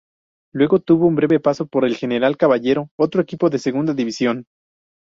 Luego tuvo un breve paso por el General Caballero, otro equipo de Segunda División.